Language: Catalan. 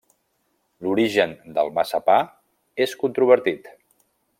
L'origen del massapà és controvertit.